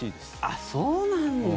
あっ、そうなんだ。